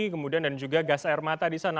kemudian dan juga gas air mata di sana